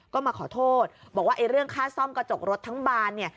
ก็มาขอโทษบอกว่าเรื่องค่าซ่อมกระจกรถทั้งบานเนี่ย